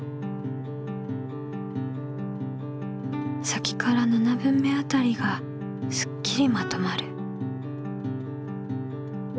先から７分目あたりがすっきりまとまる。